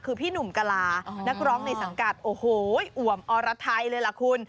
คือพี่หนุ่มกลานักร้องในสังกัดโอ้โหอ่วมอรไทยเลยล่ะคุณ